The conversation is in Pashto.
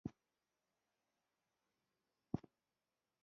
ډيپلومات د هېواد د وګړو د حقوقو دفاع کوي .